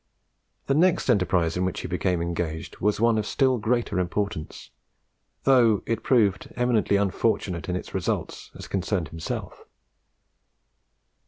The next enterprise in which he became engaged was one of still greater importance, though it proved eminently unfortunate in its results as concerned himself.